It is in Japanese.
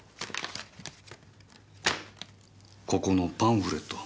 ここのパンフレット。